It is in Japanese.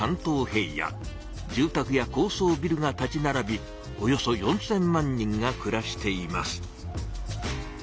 住たくや高そうビルが立ちならびおよそ４，０００万人がくらしています。